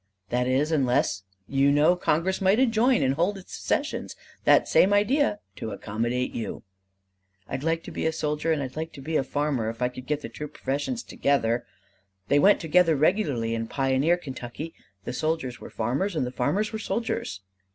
"That is, unless you know, Congress might adjourn and hold its sessions that same idea to accommodate you !" "I'd like to be a soldier and I'd like to be a farmer, if I could get the two professions together." "They went together regularly in pioneer Kentucky. The soldiers were farmers and the farmers were soldiers."